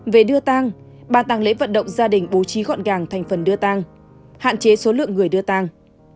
về đưa tăng bà tàng lễ vận động gia đình bố trí gọn gàng thành phần đưa tăng hạn chế số lượng người đưa tăng